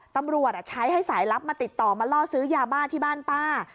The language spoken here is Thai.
ตำรวจใช้ให้สายลับมาติดต่อมาล่อซื้อยาบ้าที่บ้านป้า